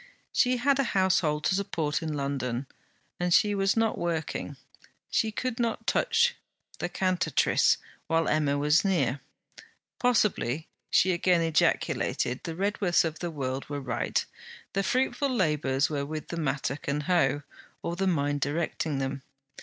She had a household to support in London, and she was not working; she could not touch THE CANTATRICE while Emma was near. Possibly, she again ejaculated, the Redworths of the world were right: the fruitful labours were with the mattock and hoe, or the mind directing them.